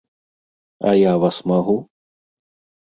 А я вас магу?